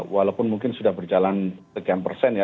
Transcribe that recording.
walaupun mungkin sudah berjalan sekian persen ya